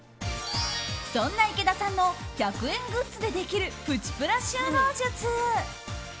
そんな池田さんの１００円グッズでできるプチプラ収納術。